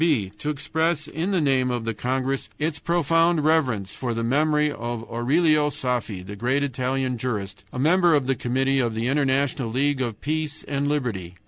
"b. To express in the name of the congress its profound reverence for the memory of Aurelio Saffi, the great Italian jurist, a member of the committee of the International League of Peace and Liberty.